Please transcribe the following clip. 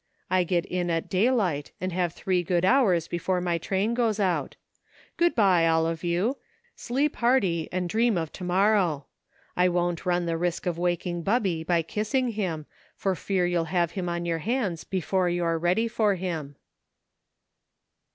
I get in at daylight, and have three good hours before ray train goes out. Good by, all of you ; sleep hearty and dream of to morrow. I won't run the risk of waking Bubby by kiss ing him, for fear you'll have him on your hands before you're ready for him."